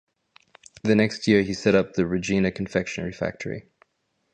The next year he set up the "Regina" confectionary factory.